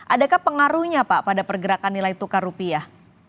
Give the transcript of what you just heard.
adakah pengaruhnya pak pada pergerakan nilai tukar rupiah